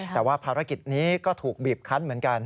แต่ว่าภารกิจนี้ก็ถูกบีบคันเหมือนกัน